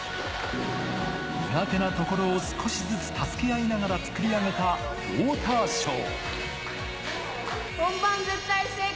苦手なところを少しずつ助け合いながら作り上げたウォーターショー。